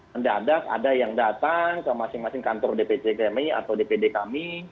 mendadak ada yang datang ke masing masing kantor dpc kami atau dpd kami